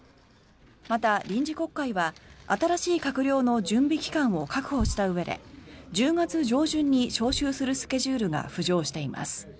また、臨時国会は新しい閣僚の準備期間を確保したうえで１０月上旬に召集するスケジュールが浮上しています。